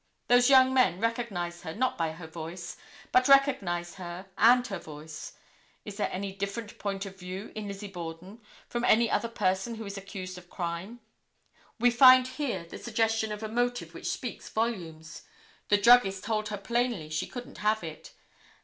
Those young men recognized her not by her voice, but recognized her and her voice. Is there any different point of view in Lizzie Borden from any other person who is accused of crime. We find here the suggestion of a motive which speaks volumes. The druggist told her plainly she couldn't have it.